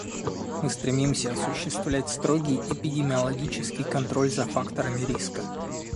Мы стремимся осуществлять строгий эпидемиологический контроль за факторами риска.